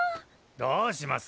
どうします？